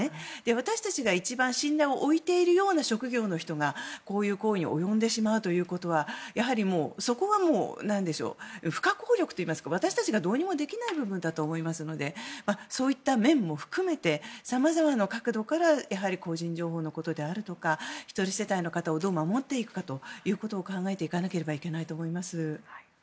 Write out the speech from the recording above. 私たちが一番信頼を置いているような職業の人たちがこういう行為に及んでしまうということはやはりそこはもう不可抗力といいますか私たちがどうにもできない部分だと思いますのでそういった面も含めて様々な角度からやはり個人情報のことであるとか１人世帯の方をどう守っていくかということを考えていかなければいけないと思います。